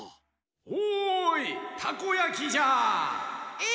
おいたこやきじゃ！え？